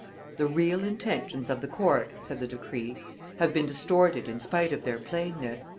"The real intentions of the court," said the decree, "have been distorted in spite of their plainness.